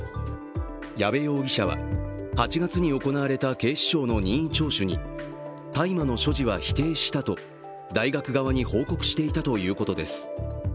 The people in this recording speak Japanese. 矢部容疑者は８月に行われた警視庁の任意聴取に大麻の所持は否定したと大学側に報告していたということです。